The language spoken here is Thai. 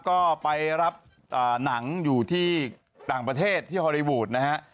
ก็ไปรับหนังอยู่ที่ต่างประเทศที่ฮอลลีวูดนะฮะ